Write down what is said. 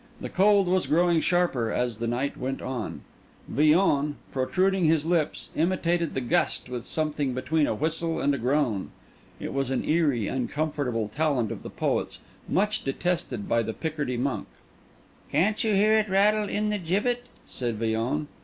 The cold was growing sharper as the night went on. Villon, protruding his lips, imitated the gust with something between a whistle and a groan. It was an eerie, uncomfortable talent of the poet's, much detested by the Picardy monk. "Can't you hear it rattle in the gibbet?" said Villon.